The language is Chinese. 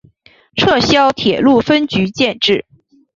撤销铁路分局建制。